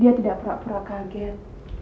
dia tidak pura pura kaget